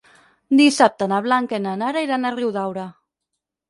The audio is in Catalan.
Dissabte na Blanca i na Nara iran a Riudaura.